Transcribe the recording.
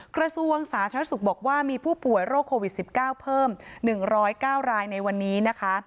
กระทรวงสาธารณสุขบอกว่ามีผู้ป่วยโรคโควิดสิบเก้าเพิ่มหนึ่งร้อยเก้ารายในวันนี้นะคะ